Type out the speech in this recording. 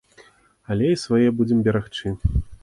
Але і свае будзем берагчы.